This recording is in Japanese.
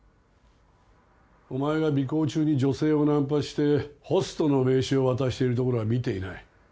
お前が尾行中に女性をナンパしてホストの名刺を渡しているところは見ていない。